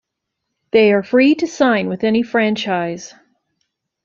They are free to sign with any franchise.